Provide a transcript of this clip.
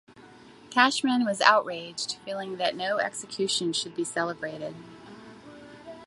Cashman was outraged, feeling that no execution should be celebrated.